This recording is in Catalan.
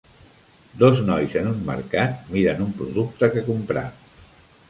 Dos nois en un mercat mirant un producte que comprar.